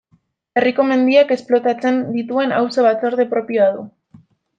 Herriko mendiak esplotatzen dituen auzo batzorde propioa du.